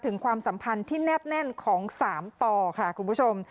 ถึงความสัมพันธ์ที่แน่บแน่นของสามต่อค่ะคุณผู้ชม